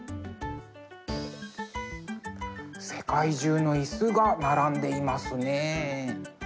世界中の椅子が並んでいますね。